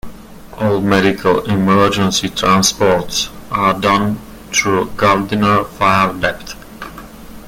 All medical emergency transports are done through Gardiner Fire Dept.